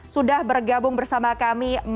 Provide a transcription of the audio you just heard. sudah bergabung bersama kami